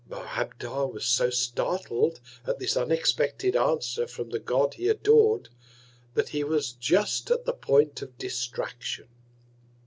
_ Moabdar was so startled at this unexpected Answer from the God he ador'd, that he was just at the Point of Distraction.